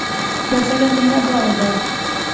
دا سړی مهربان دی.